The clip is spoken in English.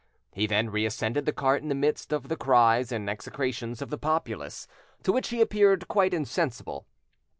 He then reascended the cart in the midst of the cries and execrations of the populace, to which he appeared quite insensible.